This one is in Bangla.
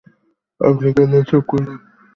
আপনি কেন এসব করেন?